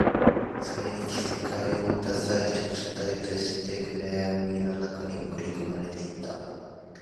それに着替えを持たされ、調査隊として暗闇の中に送り込まれていった